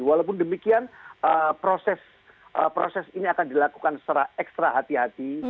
walaupun demikian proses ini akan dilakukan secara ekstra hati hati